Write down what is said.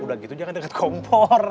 udah gitu jangan dekat kompor